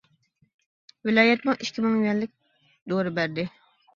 ۋىلايەتمۇ ئىككى مىڭ يۈەنلىك دورا بەردى.